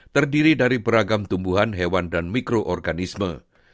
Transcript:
terdiri dari beragam tumbuhan hewan dan mikroorganisme